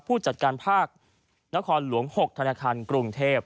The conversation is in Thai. ผู้จัดการภาคนครหลวง๖ธนาคารกรุงเทพ